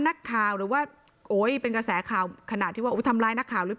นักข่าวหรือว่าโอ้ยเป็นกระแสข่าวขนาดที่ว่าทำร้ายนักข่าวหรือเปล่า